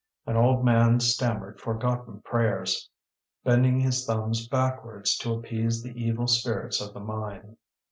An old man stammered forgotten prayers, bending his thumbs backwards to appease the evil spirits of the mine.